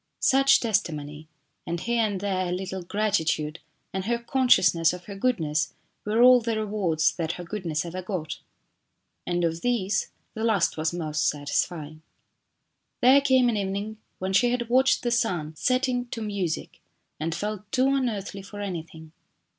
Such testimony, and here and there a little gratitude and her con sciousness of her goodness were all the rewards that her goodness ever got. And of these, the last was most satisfying. There came an evening when she had watched the sun setting to music and felt too unearthly for anything.